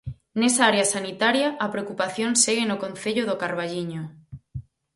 Nesa área sanitaria, a preocupación segue no concello do Carballiño.